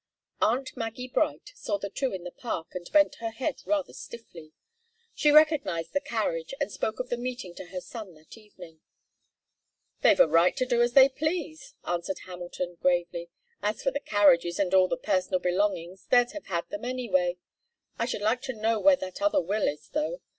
Aunt Maggie Bright saw the two in the Park and bent her head rather stiffly. She recognized the carriage and spoke of the meeting to her son that evening. "They've a right to do as they please," answered Hamilton gravely. "As for the carriages and all the personal belongings, they'd have had them anyway. I should like to know where that other will is, though.